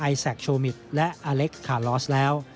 ไอซักโชมิดและอเล็กคาลอสแล้ว